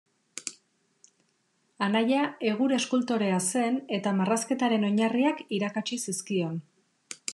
Anaia egur-eskultorea zen eta marrazketaren oinarriak irakatsi zizkion.